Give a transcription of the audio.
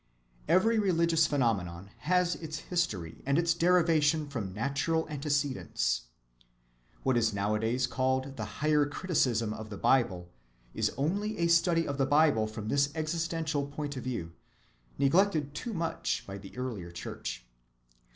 Every religious phenomenon has its history and its derivation from natural antecedents. What is nowadays called the higher criticism of the Bible is only a study of the Bible from this existential point of view, neglected too much by the earlier church.